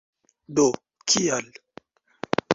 Do kial?